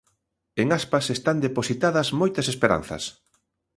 En Aspas están depositadas moitas esperanzas.